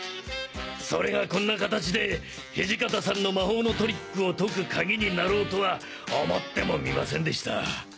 それがこんな形で土方さんの魔法のトリックを解く鍵になろうとは思ってもみませんでした。